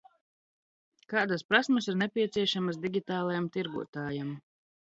Kādas prasmes ir nepieciešamas digitālajam tirgotājam?